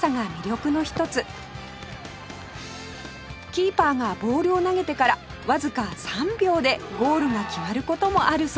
キーパーがボールを投げてからわずか３秒でゴールが決まる事もあるそうです